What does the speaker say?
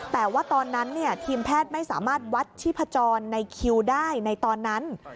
แต่ว่าตอนนั้นทีมแพทย์ไม่สามารถวัดชีพจรในคิวได้ในตอนนั้น